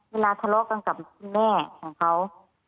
ทะเลาะกันกับคุณแม่ของเขา